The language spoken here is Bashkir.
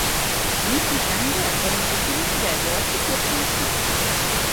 Ни тиһәң дә, беренсе килеүсегә велосипед тейеш бит!